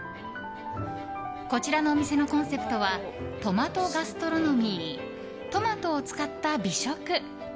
こちらのお店のコンセプトはトマト・ガストロノミ−トマトを使った美食。